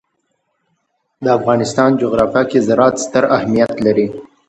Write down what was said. د افغانستان جغرافیه کې زراعت ستر اهمیت لري.